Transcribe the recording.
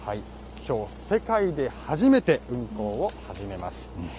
きょう、世界で初めて運行を始めます。